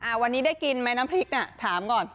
วันนี้ได้กินไหมน้ำพริกน่ะถามก่อน